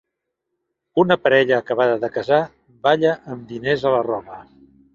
Una parella acabada de casar balla amb diners a la roba.